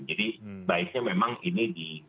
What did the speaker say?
jadi baiknya memang ini